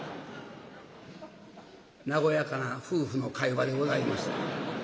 和やかな夫婦の会話でございました。